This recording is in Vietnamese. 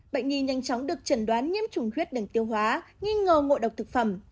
bệnh nhi nhanh chóng được chẩn đoán nhiễm trùng huyết đường tiêu hóa nghi ngờ ngộ độc thực phẩm